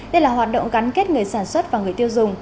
đây là hoạt động gắn kết người sản xuất và người tiêu dùng